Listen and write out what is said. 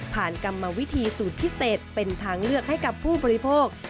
ผ่านกรรมวิธีสูตรพิเศษเป็นทางเลือกให้กับผู้ปฏิพกษ์